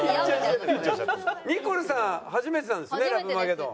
ニコルさん初めてなんですねラブマゲドン。